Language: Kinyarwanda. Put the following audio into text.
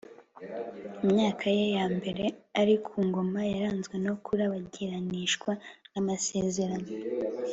imyaka ye ya mbere ari ku ngoma yaranzwe no kurabagiranishwa n'amasezerano